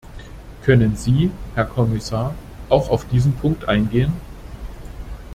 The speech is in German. Können Sie, Herr Kommissar, auch auf diesen Punkt eingehen?